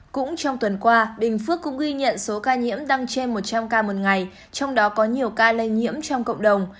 cũng trong tuần qua bình phước cũng ghi nhận số ca nhiễm đang trên một trăm linh ca một ngày trong đó có nhiều ca lây nhiễm trong cộng đồng